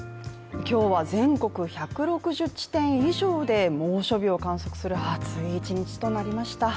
今日は全国１６０地点以上で猛暑日を観測する、暑い一日となりました。